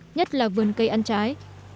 nhất là vườn cây ăn trái